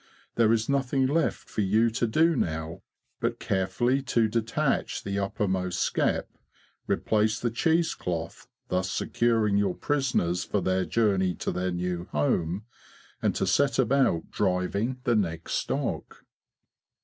There is nothing left for you to do now but carefully to detach the upper most skep: replace the cheese cloth, thus securing your prisoners for their journey to their new home; and to set about driving the next stock.